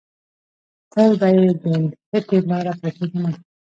تل به يې د نښتې لاره پرېښودله.